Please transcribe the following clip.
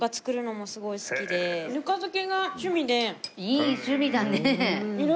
いい趣味だね。